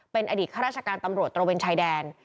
เป็นอดีตข้าราชการตำรวจตระเวนชายแดน